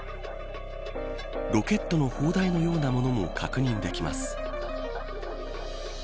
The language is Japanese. ロケットの砲台のようなものも確認できます。